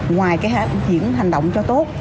ngoài cái hát diễn hành động cho tốt